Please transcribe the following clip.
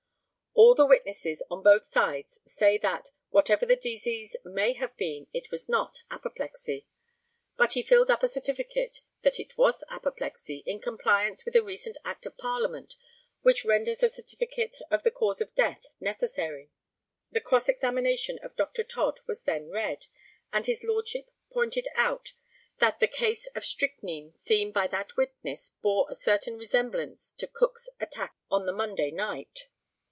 All the witnesses on both sides say that, whatever the disease may have been, it was not apoplexy; but he filled up a certificate that it was apoplexy, in compliance with a recent Act of Parliament which renders a certificate of the cause of death necessary. [The cross examination of Dr. Todd was then read, and his Lordship pointed out that the case of strychnine seen by that witness bore a certain resemblance to Cook's attack on the Monday night.